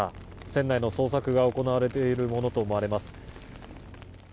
船内の捜索が行われているものと思われます。